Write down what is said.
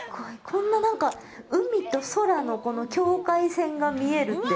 こんな、なんか海と空の、この境界線が見えるって。